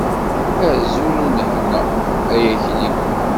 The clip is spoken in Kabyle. Azul ulehna ay Akli!